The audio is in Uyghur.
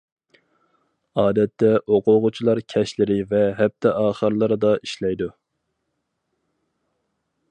ئادەتتە ئوقۇغۇچىلار كەچلىرى ۋە ھەپتە ئاخىرلىرىدا ئىشلەيدۇ.